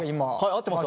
合ってます！